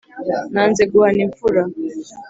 Nanze guhana imfura